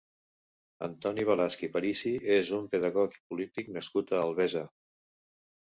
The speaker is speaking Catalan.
Antoni Balasch i Parisi és un pedagog i polític nascut a Albesa.